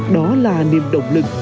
đó là niềm động lực